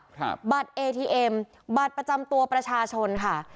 บัตรเอทีเอ็มบัตรประจำตัวประชาชนค่ะ